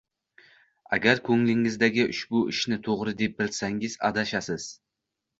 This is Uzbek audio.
Agar ko`nglingizdagi ushbu ishni to`g`ri deb bilsangiz, adashasiz